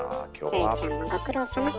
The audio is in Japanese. キョエちゃんもご苦労さま。